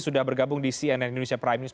sudah bergabung di cnn indonesia prime news